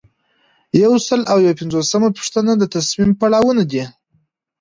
یو سل او یو پنځوسمه پوښتنه د تصمیم پړاوونه دي.